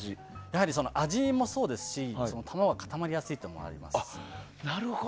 やはり味もそうですし卵が固まりやすいというのもあります。